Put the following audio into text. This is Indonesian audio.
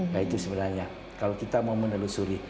nah itu sebenarnya kalau kita mau menelusuri